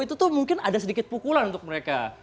itu tuh mungkin ada sedikit pukulan untuk mereka